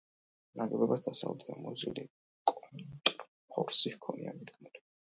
ნაგებობას დასავლეთიდან მოზრდილი კონტრფორსი ჰქონია მიდგმული.